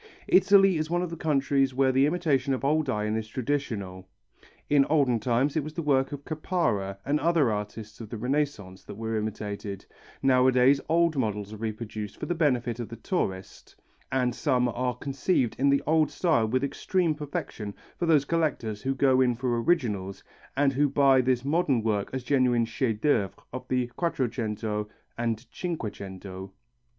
Italy is one of the countries where the imitation of old iron is traditional. In olden times it was the work of Caparra and other artists of the Renaissance that were imitated, nowadays old models are reproduced for the benefit of the tourist, and some are conceived in the old style with extreme perfection for those collectors who go in for originals and who buy this modern work as genuine chefs d'œuvre of the Quattrocento and Cinquecento.